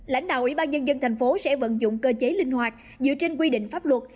lãnh đạo ủy ban nhân dân thành phố sẽ vận dụng cơ chế linh hoạt dựa trên quy định pháp luật